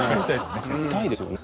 痛いですよね。